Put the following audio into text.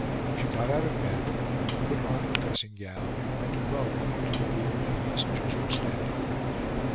She got out of bed, put on her dressing gown, and went, alone, into the room where the messengers were standing.